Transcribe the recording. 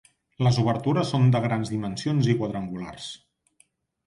Les obertures són de grans dimensions i quadrangulars.